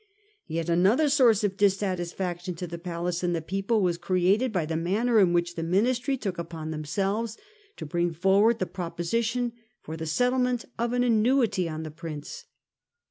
Yet another source of dissatisfaction to the palace and the people was created by the manner in which the Ministry took upon themselves to bring forward the proposition for the settlement of an annuity on the Prince.